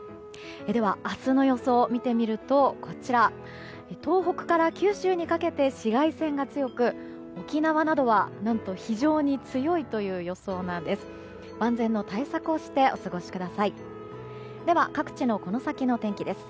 では、明日の予想を見てみると東北から九州にかけて紫外線が強く沖縄などは何と非常に強いという予想なんです。